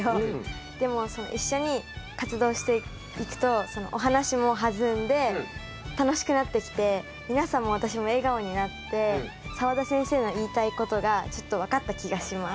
でも一緒に活動していくとお話もはずんで楽しくなってきて皆さんも私も笑顔になって澤田先生の言いたいことがちょっと分かった気がします。